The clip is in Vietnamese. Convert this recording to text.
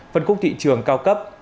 phân khúc thị trường cao cấp